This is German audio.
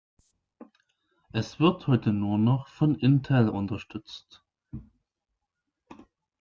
Es wird heute nur noch von Intel unterstützt.